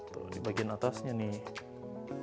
tuh di bagian atasnya nih